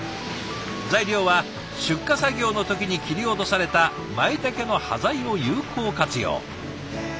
材料は出荷作業の時に切り落とされたまいたけの端材を有効活用。